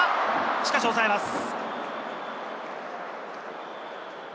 しかし抑えます。